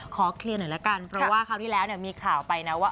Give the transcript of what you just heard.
ขอเคลียร์หน่อยละกันเพราะว่าคราวที่แล้วเนี่ยมีข่าวไปนะว่า